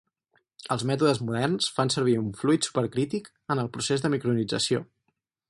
Els mètodes moderns fan servir un fluid supercrític en el procés de micronització.